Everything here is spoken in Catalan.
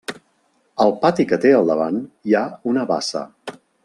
Al pati que té al davant hi ha una bassa.